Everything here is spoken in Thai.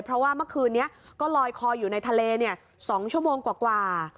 เพราะว่าเมื่อคืนนี้ก็ลอยคออยู่ในทะเล๒ชั่วโมงกว่า